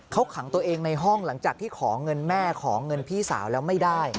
เขาขังตัวเองในห้องหลังจากที่ขอเงินแม่ขอเงินพี่สาวแล้วไม่ได้